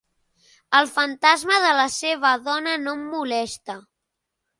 El fantasma de la seva dona no em molesta.